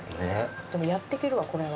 でもやっていけるわこれは。